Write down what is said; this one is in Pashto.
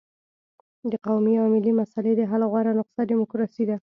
د قومي او ملي مسلې د حل غوره نسخه ډیموکراسي ده.